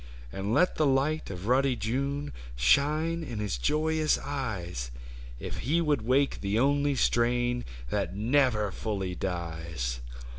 And let the light of ruddy June Shine in his joyous eyes. If he would wake the only strain That never fully dies